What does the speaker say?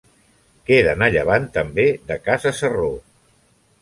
Queden a llevant també de Casa Sarró.